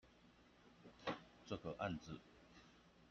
這個案子